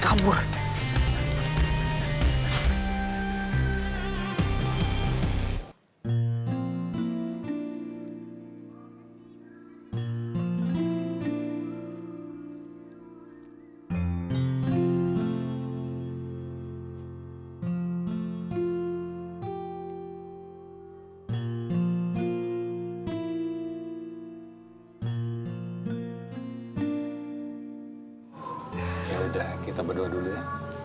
ya udah kita berdoa dulu ya